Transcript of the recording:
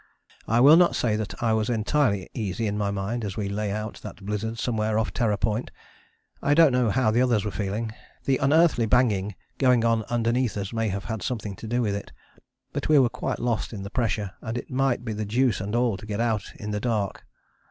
I will not say that I was entirely easy in my mind as we lay out that blizzard somewhere off Terror Point; I don't know how the others were feeling. The unearthly banging going on underneath us may have had something to do with it. But we were quite lost in the pressure and it might be the deuce and all to get out in the dark.